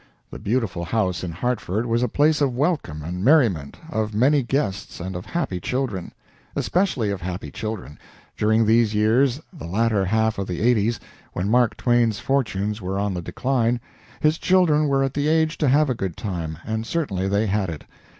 The beautiful house in Hartford was a place of welcome and merriment, of many guests and of happy children. Especially of happy children: during these years the latter half of the 'eighties when Mark Twain's fortunes were on the decline, his children were at the age to have a good time, and certainly they had it.